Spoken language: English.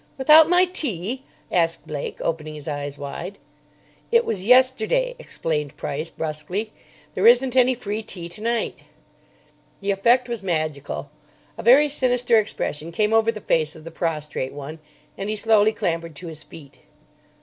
"Without my tea?" asked Blake, opening his eyes wide. "It was yesterday," explained Price, brusquely. "There isn't any free tea tonight." The effect was magical. A very sinister expression came over the face of the prostrate one, and he slowly clambered to his feet.